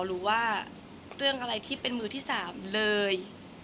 รู้ว่าเรื่องอะไรที่เป็นมือที่๓เลย